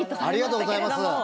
ありがとうございます。